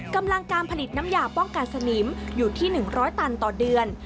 กำลังการผลิตน้ำยาป้องกันสนิมอยู่ที่๑๐๐ตันต่อเดือน